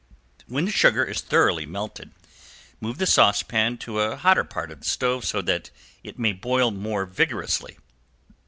When the sugar is thoroughly melted, move the saucepan to a hotter part of the stove so that it may boil more vigorously.